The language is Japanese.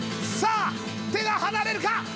さあ手が離れるか？